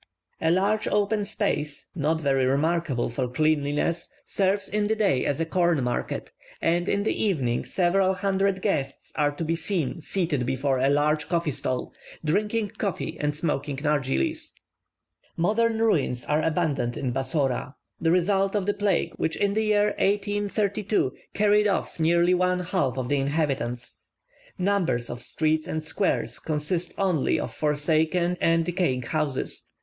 A large open space, not very remarkable for cleanliness, serves in the day as a corn market; and in the evening several hundred guests are to be seen seated before a large coffee stall, drinking coffee and smoking nargillies. Modern ruins are abundant in Bassora, the result of the plague which in the year 1832 carried off nearly one half of the inhabitants. Numbers of streets and squares consist only of forsaken and decaying houses.